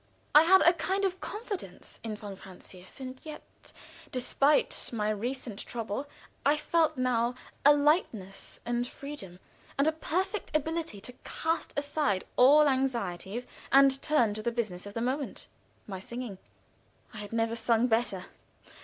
I had a kind of confidence in von Francius, and yet Despite my recent trouble, I felt now a lightness and freedom, and a perfect ability to cast aside all anxieties, and turn to the business of the moment my singing. I had never sung better.